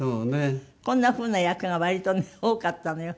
こんな風な役が割とね多かったのよ。